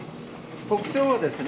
特徴はですね